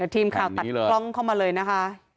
ทีมข่าวตัดกล้องเข้ามาเลยนะคะ